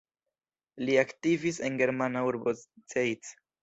Li aktivis en germana urbo Zeitz.